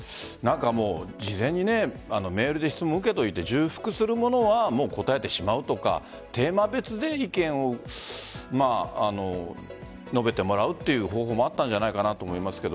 事前にメールで質問受けといて重複するものは答えてしまうとかテーマ別で、意見を述べてもらうという方法もあったんじゃないかと思いますが